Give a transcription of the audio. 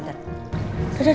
bentar bentar bentar